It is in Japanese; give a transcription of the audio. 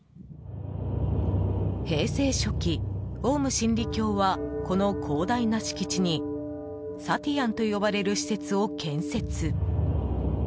平成初期、オウム真理教はこの広大な敷地にサティアンと呼ばれる施設を建設。